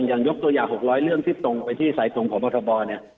อย่างยกตัวอย่าง๖๐๐เรื่องที่ตรงไปที่สายตรงของบรรษบอลเนี่ย